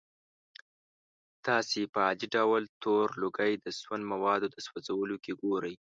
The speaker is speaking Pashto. تاسې په عادي ډول تور لوګی د سون موادو د سوځولو کې ګورئ.